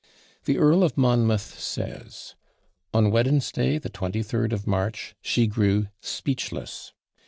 The Earl of Monmouth says, "On Wednesday, the 23rd of March, she grew speechless.